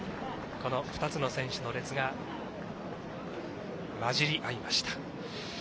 この２つの選手の列が交じりあいました。